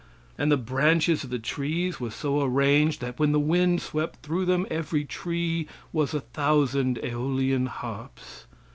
And the branches of the trees were so arranged that when the wind swept through them every tree was a thousand aeolian harps.